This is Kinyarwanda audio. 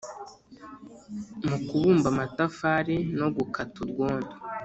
. Mu kubumba amatafari, no gukata urwondo